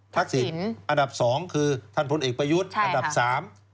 ทักษิณอันดับสองคือท่านพลเอกประยุทธ์อันดับสาม